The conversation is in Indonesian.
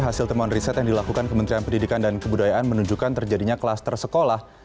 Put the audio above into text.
hasil temuan riset yang dilakukan kementerian pendidikan dan kebudayaan menunjukkan terjadinya klaster sekolah